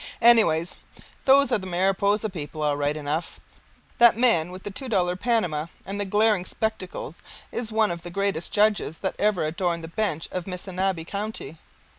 Anyway, those are the Mariposa people all right enough. That man with the two dollar panama and the glaring spectacles is one of the greatest judges that ever adorned the bench of Missinaba County.